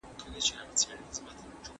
موږ بايد يو واحد ميتود وکاروو.